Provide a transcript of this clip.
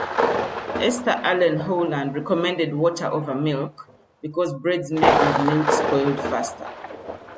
Esther Allen Howland recommended water over milk because breads made with milk spoiled faster.